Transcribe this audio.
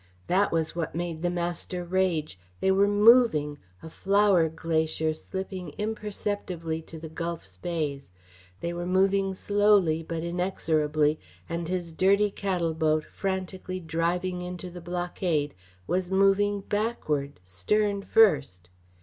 That was what made the master rage. They were moving a flower glacier slipping imperceptibly to the gulf bays. They were moving slowly but inexorably, and his dirty cattle boat, frantically driving into the blockade, was moving backward stern first!